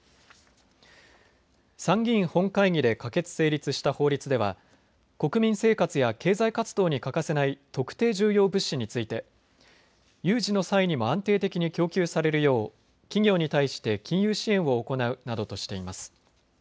参議院本会議で可決・成立した法律では国民生活や経済活動に欠かせない特定重要物資について有事の際にも安定的に供給されるよう企業に対して金融支援を行うなどとしています。